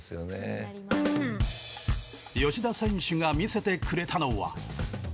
吉田選手が見せてくれたのは。